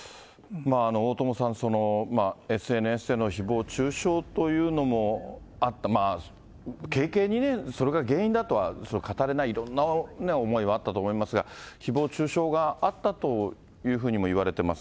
大友さん、ＳＮＳでのひぼう中傷というのもあった、軽々にね、それが原因だとは語れない、いろんな思いはあったと思いますが、ひぼう中傷があったというふうにもいわれてます。